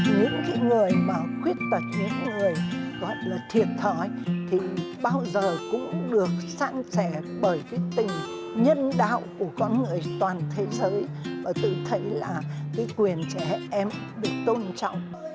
những người mà khuyết tật những người gọi là thiệt thòi thì bao giờ cũng được sang sẻ bởi cái tình nhân đạo của con người toàn thế giới và từ thấy là cái quyền trẻ em bị tôn trọng